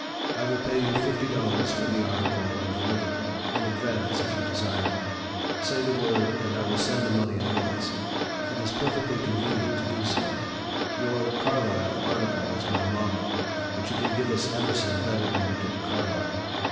I will pay you fifty dollars for the article when delivered; in advance, if you desire it. Say the word, and I will send the money at once. It is perfectly convenient to do so. Your 'Carlyle' article is my model, but you can give us Emerson better than you did Carlyle.